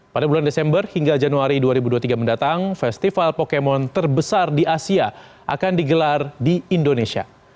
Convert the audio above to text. pada bulan desember hingga januari dua ribu dua puluh tiga mendatang festival pokemon terbesar di asia akan digelar di indonesia